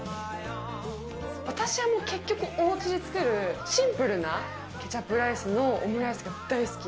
私は結局おうちで作るシンプルなケチャップライスのオムライスが大好き。